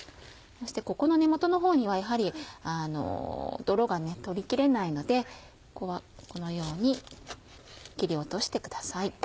そしてここの根元のほうにはやはり泥が取り切れないのでここはこのように切り落としてください。